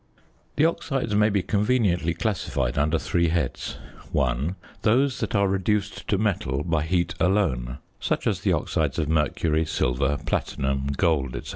The oxides may be conveniently classified under three heads: (1) Those that are reduced to metal by heat alone, such as the oxides of mercury, silver, platinum, gold, &c.